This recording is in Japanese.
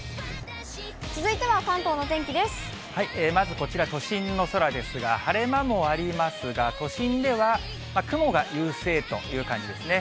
まずこちら、都心の空ですが、晴れ間もありますが、都心では、雲が優勢という感じですね。